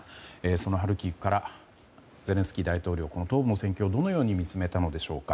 そのハリキウからゼレンスキー大統領は東部の戦況をどのように見つめたのでしょうか。